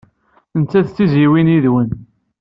Nettat d tizzyiwin yid-wen.